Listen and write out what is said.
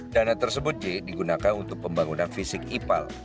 dana tersebut j digunakan untuk pembangunan fisik ipal